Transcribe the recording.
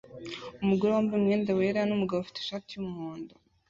Umugore wambaye umwenda wera numugabo ufite ishati yumuhondo